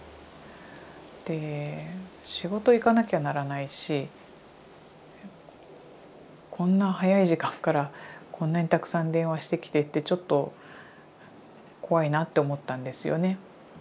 で仕事行かなきゃならないしこんな早い時間からこんなにたくさん電話してきてってちょっと怖いなと思ったんですよね。